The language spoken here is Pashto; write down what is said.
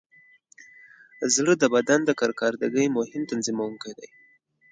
زړه د بدن د کارکردګۍ مهم تنظیموونکی دی.